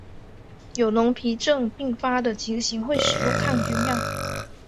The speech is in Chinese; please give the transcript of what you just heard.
有脓皮症并发的情形会使用抗菌药。